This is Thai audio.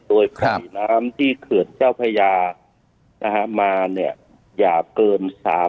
โดยปล่อยน้ำที่เขื่อนเจ้าพญานะฮะมาเนี่ยอย่าเกิน๓๐๐